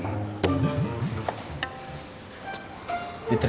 gak ada yang bisa dihukum